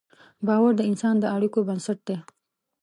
باور د انسان د اړیکو بنسټ دی.